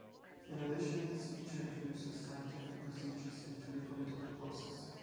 In addition, this feature introduces scientific procedures into the political process.